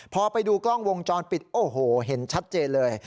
พอไปดูกล้องวงจรปิดโอ้โหเห็นชัดเจนเลย